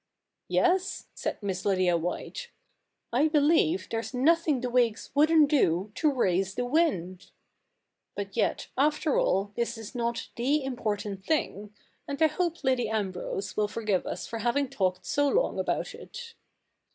"Yes," said Miss Lydia White, 144 THE NEW REPUBLIC [bk. hi " I believe there's nothing the Whigs wouldn't do to raise the wijidP But yet, after all, this is not the im portant thing, and I hope Lady Ambrose will forgive us for having talked so long about it.'